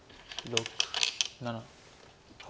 ６７８。